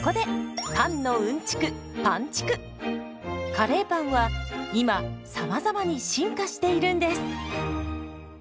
カレーパンは今さまざまに進化しているんです。